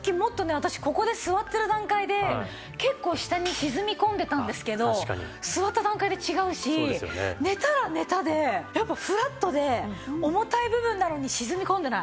私ここで座ってる段階で結構下に沈み込んでたんですけど座った段階で違うし寝たら寝たでやっぱフラットで重たい部分なのに沈み込んでない。